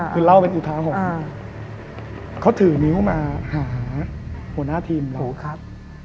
คือเล่าเป็นอุทาหกเขาถือนิ้วมาหาหัวหน้าทีมเราครับ